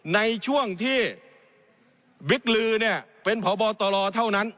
ในช่วงที่บิ๊กลือเนี่ยเป็นพบตรเท่านั้น